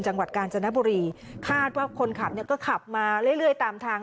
จังหวัดกาญจนบุรีคาดว่าคนขับก็ขับมาเรื่อยตามทาง